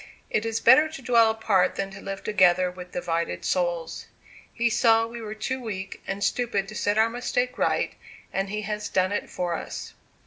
It is better to dwell apart than to live together with divided souls. He saw we were too weak and stupid to set our mistake right, and He has done it for us.